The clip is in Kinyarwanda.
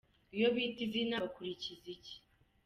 Iyo bita izina bakurikiza iki ?.